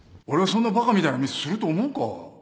俺がそんなバカみたいなミスすると思うか？